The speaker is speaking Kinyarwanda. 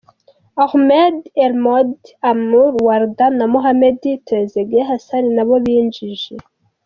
Ahmed Elmohamady, Amr Warda na Mohamed 'Trezeguet' Hassan na bo binjije.